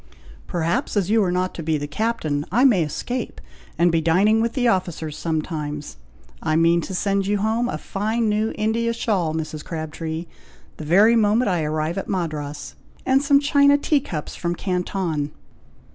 "Perhaps, as you are not to be the captain, I may escape, and be dining with the officers sometimes! I mean to send you home a fine new India shawl, Mrs. Crabtree, the very moment I arrive at Madras, and some china tea cups from Canton."